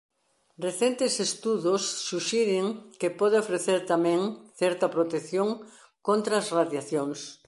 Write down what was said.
Recentes estudos suxiren que pode ofrecer tamén certa protección contra as radiacións.